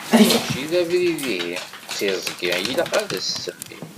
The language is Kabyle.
Mačči d abrid ihi d tiẓgi i ilaq ad as-semmin.